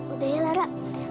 udah ya lara